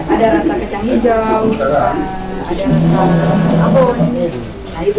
ada rasa kecang hijau